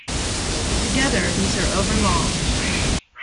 Together these are over long.